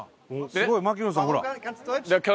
すごい槙野さんほら。